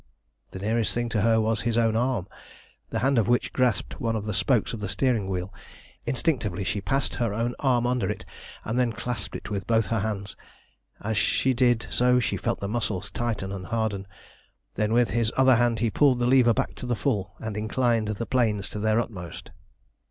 The nearest thing to her was his own arm, the hand of which grasped one of the spokes of the steering wheel. Instinctively she passed her own arm under it, and then clasped it with both her hands. As she did so she felt the muscles tighten and harden. Then with his other hand he pulled the lever back to the full, and inclined the planes to their utmost.